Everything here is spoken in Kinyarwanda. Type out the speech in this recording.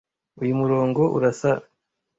Uyu murongo urasa n.